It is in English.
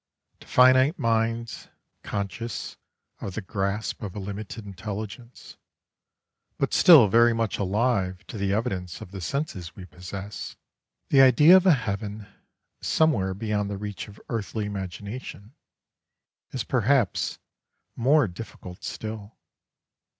To finite minds, conscious of the grasp of a limited intelligence, but still very much alive to the evidence of the senses we possess, the idea of a heaven, somewhere beyond the reach of earthly imagination, is perhaps more difficult still.